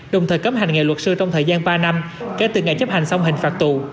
đồng thời cấm hành nghề luật sư trong thời gian ba năm kể từ ngày chấp hành xong hình phạt tù